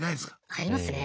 ありますね。